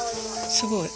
すごい。